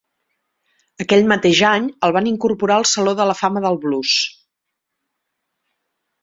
Aquell mateix any, el van incorporar al Saló de la Fama del Blues.